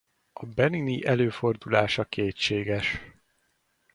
A benini előfordulása kétséges.